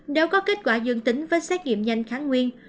nếu có kết quả dương tính với xét nghiệm nhanh kháng nguyên